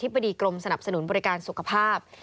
บดีกรมสนับสนุนบริการสุขภาพ